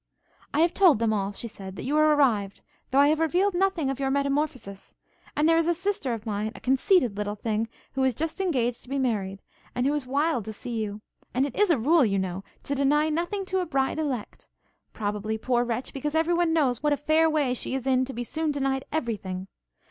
'I have told them all,' she said, 'that you are arrived, though I have revealed nothing of your metamorphosis; and there is a sister of mine, a conceited little thing, who is just engaged to be married, and who is wild to see you; and it is a rule, you know, to deny nothing to a bride elect; probably, poor wretch, because every one knows what a fair way she is in to be soon denied every thing!